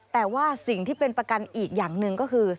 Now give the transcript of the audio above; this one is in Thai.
แต่ว่าสิ่งที่เป็นประกันอีกอย่างหนึ่งก็คือ